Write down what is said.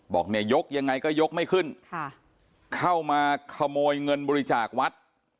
บอกเนี่ยยกยังไงก็ยกไม่ขึ้นค่ะเข้ามาขโมยเงินบริจาควัด